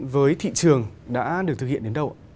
với thị trường đã được thực hiện đến đâu